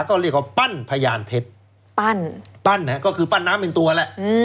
ก็เรียกว่าปั้นพยานเท็จปั้นปั้นก็คือปั้นน้ำเป็นตัวแหละ